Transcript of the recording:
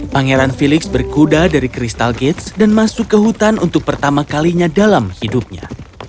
pangeran felix berkuda dari kristal gates dan masuk ke hutan untuk pertama kalinya dalam hidupnya